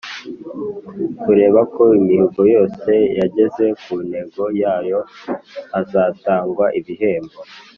Kureba ko imihigo yose yageze ku ntego yayo hazatangwa ibihembo